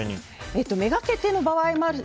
目がけての場合もある。